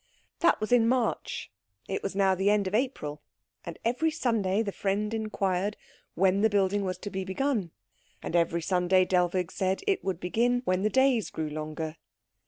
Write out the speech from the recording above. That was in March. It was now the end of April, and every Sunday the friend inquired when the building was to be begun, and every Sunday Dellwig said it would begin when the days grew longer.